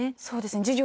そうですね。